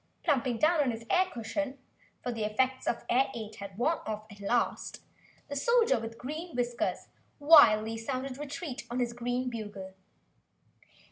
Plumping down on his air cushion, for the effects of the air ade had worn off at last, the Soldier with Green Whiskers wildly sounded retreat on his green bugle.